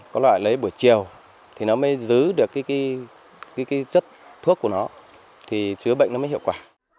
có loại lấy buổi chiều thì nó mới giữ được cái chất thuốc của nó thì chứa bệnh nó mới hiệu quả